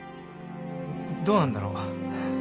どうなんだろう。